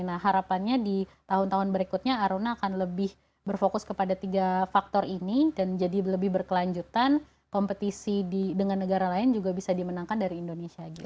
nah harapannya di tahun tahun berikutnya aruna akan lebih berfokus kepada tiga faktor ini dan jadi lebih berkelanjutan kompetisi dengan negara lain juga bisa dimenangkan dari indonesia gitu